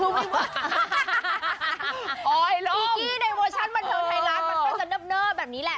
อิกิแบบในโวชั่นบันเทอร์ไทยรัสมันก็จะเนิ่บแบบนี้แหละ